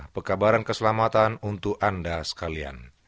pekabaran keselamatan untuk anda sekalian